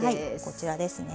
こちらですね。